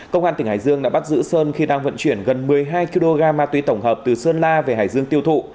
công an tỉnh hải dương đã bắt giữ sơn khi đang vận chuyển gần một mươi hai kg ma túy tổng hợp từ sơn la về hải dương tiêu thụ